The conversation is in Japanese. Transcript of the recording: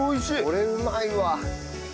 これうまいわ。